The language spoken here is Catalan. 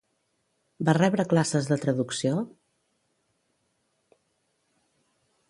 Va rebre classes de traducció?